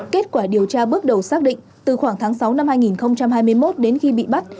kết quả điều tra bước đầu xác định từ khoảng tháng sáu năm hai nghìn hai mươi một đến khi bị bắt